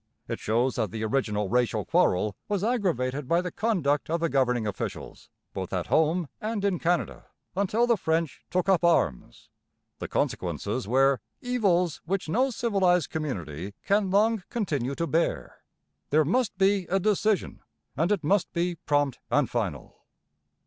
It shows that the original racial quarrel was aggravated by the conduct of the governing officials, both at home and in Canada, until the French took up arms. The consequences were 'evils which no civilized community can long continue to bear.' There must be a 'decision'; and it must be 'prompt and final.'